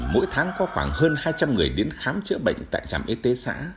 mỗi tháng có khoảng hơn hai trăm linh người đến khám chữa bệnh tại trạm y tế xã